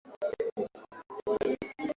Nataka kujua